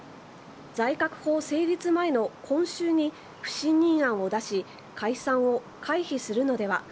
財確法成立前の今週に不信任案を出し、解散を回避するのでは。